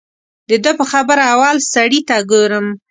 د ده په خبره اول سړي ته ګورم.